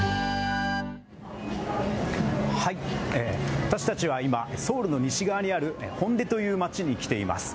私たちは今、ソウルの西側にあるホンデという街に来ています。